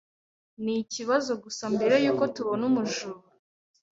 Ni ikibazo gusa mbere yuko tubona umujura.